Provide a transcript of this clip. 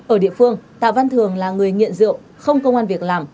ở địa phương tạ văn thường là người nghiện rượu không công an việc làm